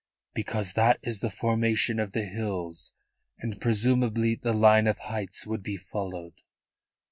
"Because that is the formation of the hills, and presumably the line of heights would be followed."